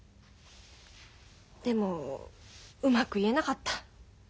でもうまく言えなかった。